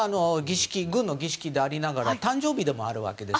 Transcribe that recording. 軍の儀式でありながら誕生日でもあります。